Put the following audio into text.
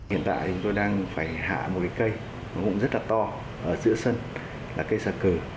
hiện tại chúng tôi đang phải hạ một cái cây một ngụm rất là to ở giữa sân là cây xà cừ